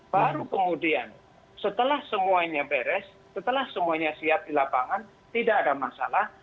baru kemudian setelah semuanya beres setelah semuanya siap di lapangan tidak ada masalah